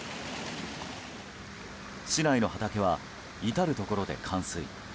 市内の畑は至るところで冠水。